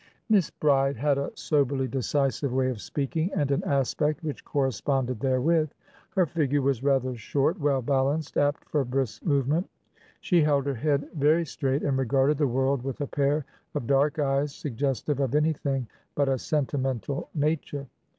Miss Bride had a soberly decisive way of speaking, and an aspect which corresponded therewith; her figure was rather short, well balanced, apt for brisk movement; she held her head very straight, and regarded the world with a pair of dark eyes suggestive of anything but a sentimental nature.